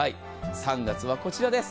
３月はこちらです。